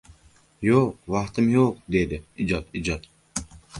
— Yo‘q, vaqtim yo‘q! — dedi. — Ijod, ijod!